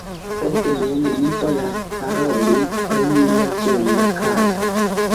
Sed nun, mi volas paroli pri mia ĝena kato.